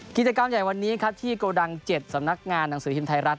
กิจกรรมใหญ่วันนี้ที่กระดัง๗สำนักงานหนังสือที่นไทยรัฐ